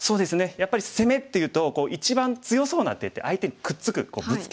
やっぱり攻めっていうと一番強そうな手って相手にくっつくぶつける手じゃないですか。